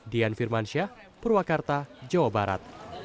dian firmansyah purwakarta jawa barat